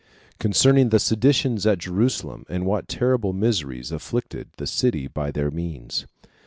Concerning The Seditions At Jerusalem And What Terrible Miseries Afflicted The City By Their Means.